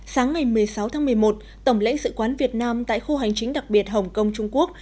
sáng ngày một mươi sáu tháng một mươi một tổng lãnh sự quán việt nam tại khu hành chính đặc biệt hồng kông trung quốc